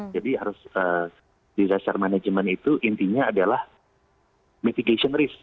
jadi harus di dasar manajemen itu intinya adalah mitigation risk